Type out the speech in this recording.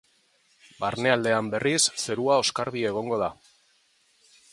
Barnealdean, berriz, zerua oskarbi egongo da.